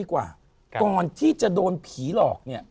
ก่อนที่จะโดนผีหลอกเนี่ย